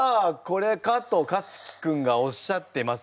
「これか？」とかつき君がおっしゃってます。